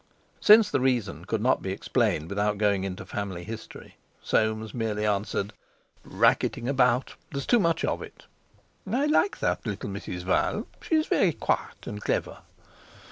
Since the reason could not be explained without going into family history, Soames merely answered: "Racketing about. There's too much of it." "I like that little Mrs. Val; she is very quiet and clever."